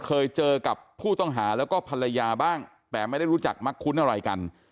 เคยเจอกับผู้ต้องหาแล้วก็ภรรยาบ้างแต่ไม่ได้รู้จักมักคุ้นอะไรกัน